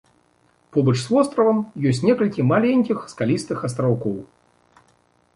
Побач з востравам ёсць некалькі маленькіх скалістых астраўкоў.